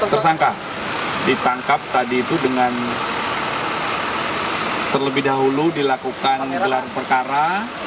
tersangka ditangkap tadi itu dengan terlebih dahulu dilakukan gelar perkara